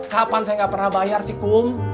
kapan saya nggak pernah bayar sih kum